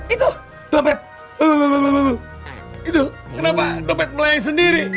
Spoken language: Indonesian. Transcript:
itu dompet itu kenapa dompet melayang sendiri